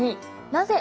なぜ？